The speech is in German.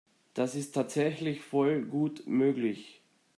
Das ist tatsächlich voll gut möglich.